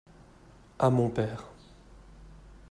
à mon père.